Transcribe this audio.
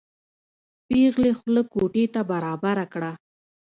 پېغلې خوله کوټې ته برابره کړه.